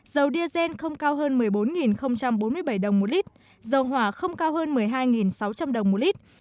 dầu diesel không cao hơn một mươi bốn bốn mươi bảy đồng một lít dầu hỏa không cao hơn một mươi hai sáu trăm linh đồng một lít